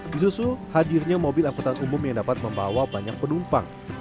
disusul hadirnya mobil angkutan umum yang dapat membawa banyak penumpang